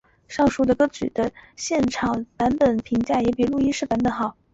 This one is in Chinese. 上述的歌曲的现场版本评价也比录音室版本好。